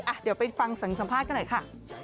อ่ะเดี๋ยวไปฟังเสียงสัมภาษณ์กันหน่อยค่ะ